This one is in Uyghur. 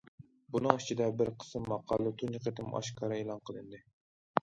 بۇنىڭ ئىچىدە بىر قىسىم ماقالە تۇنجى قېتىم ئاشكارا ئېلان قىلىندى.